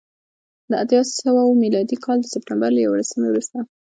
د اتیا اوه سوه میلادي کال د سپټمبر له یوولسمې وروسته